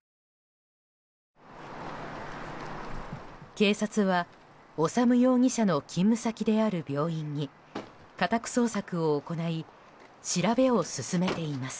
警察は修容疑者の勤務先である病院に、家宅捜索を行い調べを進めています。